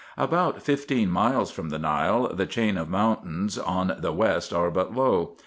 About fifteen miles from the Nile? the chain of mountains on the west are but low.